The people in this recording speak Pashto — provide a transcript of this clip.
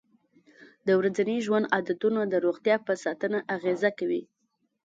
د ورځني ژوند عادتونه د روغتیا په ساتنه اغېزه کوي.